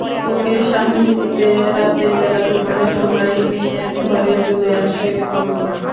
ওকে সাহস দিতে রাতের বেলা ঘুমানোর সময় মেয়ের ঘরে চলে আসে কল্পনা।